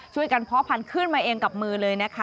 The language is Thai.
เพาะพันธุ์ขึ้นมาเองกับมือเลยนะคะ